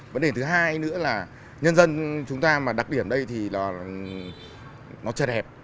vấn đề thứ hai nữa là nhân dân chúng ta đặc điểm đây là nó chật hẹp